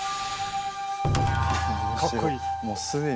かっこいい。